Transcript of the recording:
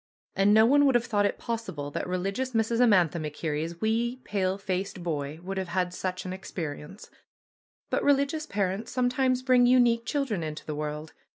And no one would have thought it possible that religious Mrs. Amantha MacKerrie's wee, pale faced boy would have had such an experience. But religious parents sometimes bring unique children into the world.